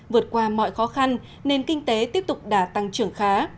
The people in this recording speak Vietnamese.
vượt qua mọi khó khăn nền kinh tế tiếp tục đã tăng trưởng khá